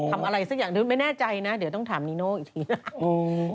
อ๋อทำอะไรสักอย่างไม่แน่ใจนะเดี๋ยวต้องถามนิโน่อีกทีนะ